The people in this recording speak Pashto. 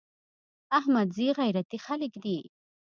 احمدزي غيرتي خلک دي.